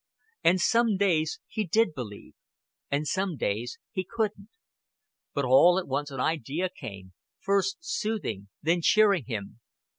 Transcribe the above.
And some days he did believe, and some days he couldn't. But all at once an idea came, first soothing then cheering him.